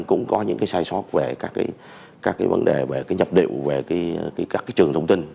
cũng có những sai sót về các vấn đề nhập liệu về các trường thông tin